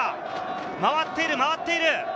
回っている回っている。